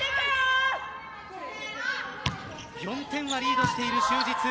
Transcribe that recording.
４点はリードしている就実。